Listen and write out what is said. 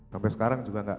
sampai sekarang juga enggak